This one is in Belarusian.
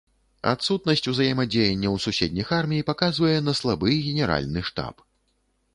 Адсутнасць узаемадзеянняў суседніх армій паказвае на слабы генеральны штаб.